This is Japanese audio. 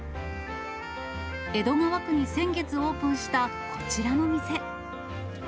江戸川区に先月オープンしたこちらの店。